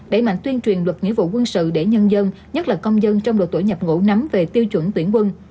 đẩy mạnh tuyên truyền luật nghĩa vụ quân sự để nhân dân nhất là công dân trong độ tuổi nhập ngủ nắm về tiêu chuẩn tuyển quân